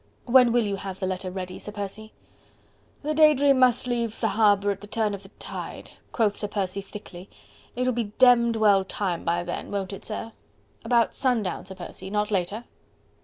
"When will you have the letter ready, Sir Percy?" "The 'Day Dream' must leave the harbour at the turn of the tide," quoth Sir Percy thickly. "It'll be demmed well time by then... won't it, sir?..." "About sundown, Sir Percy... not later..."